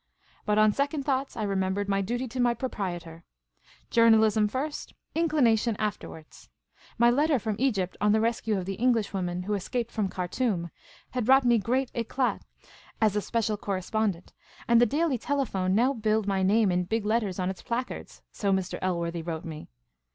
But on second thoughts, I remembered my duty to my proprietor. Journalism first ; inclination afterwards ! My letter from Kgypt on the rescue of the English woman who escaped from Khartoum had brought me great tWa/ as a special corre spondent, and the Daily Tclcp1i07ie now billed my name in big letters on its placards, so Mr. Elworthy wrote me.